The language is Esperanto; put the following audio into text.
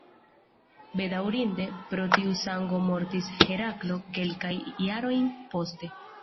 Bedaŭrinde, pro tiu sango mortis Heraklo kelkajn jarojn poste.